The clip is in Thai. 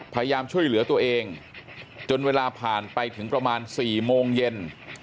พยายามช่วยเหลือตัวเองจนเวลาผ่านไปถึงประมาณ๔โมงเย็น